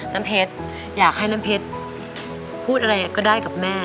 น้ำเพชรอยากให้น้ำเพชรพูดอะไรก็ได้กับแม่